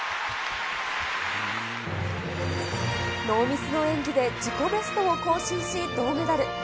ノーミスの演技で、自己ベストを更新し、銅メダル。